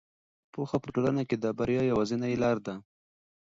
پوهه په ټولنه کې د بریا یوازینۍ لاره ده.